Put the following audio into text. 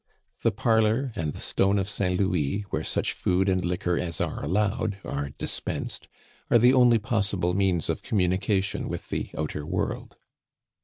The parlor, and the stone of Saint Louis, where such food and liquor as are allowed are dispensed, are the only possible means of communication with the outer world.